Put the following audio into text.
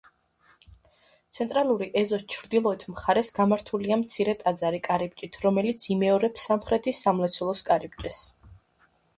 ცენტრალური ეზოს ჩრდილოეთ მხარეს გამართულია მცირე ტაძარი კარიბჭით, რომელიც იმეორებს სამხრეთის სამლოცველოს კარიბჭეს.